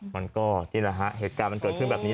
มันก็นี่แหละฮะเหตุการณ์มันเกิดขึ้นแบบนี้